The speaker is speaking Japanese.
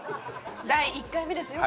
第１回目ですよ